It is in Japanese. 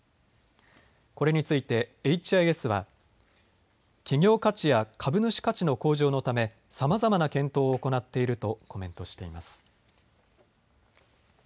これについてエイチ・アイ・エスは企業価値や株主価値の向上のためさまざまな検討を行っているとコメントしています。